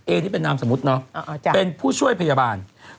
เอนี่เป็นนามสมมุติเนอะเป็นผู้ช่วยพยาบาลอ๋อจ้ะ